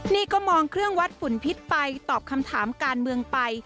นี่ก็มองเครื่องวัดฝุ่นพิษไปตอบคำถามการเมืองไป